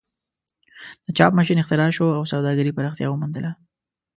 د چاپ ماشین اختراع شو او سوداګري پراختیا ومونده.